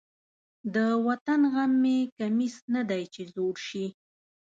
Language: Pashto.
د وطن غم مې کمیس نه دی چې زوړ شي.